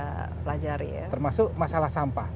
pelajari ya termasuk masalah sampah